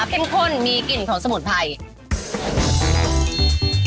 เข้มข้นมีกลิ่นของสมุนไพร